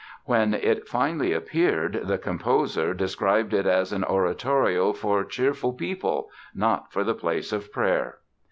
When it finally appeared the composer described it as "an oratorio for cheerful people, not for the place of prayer".